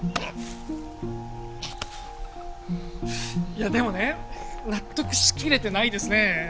いやでもね納得し切れてないですね。